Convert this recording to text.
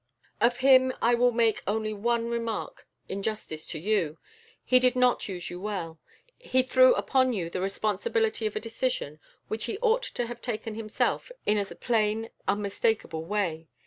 "Of him I will make only one remark in justice to you. He did not use you well. He threw upon you the responsibility of a decision which he ought to have taken himself in a plain, unmistakable way.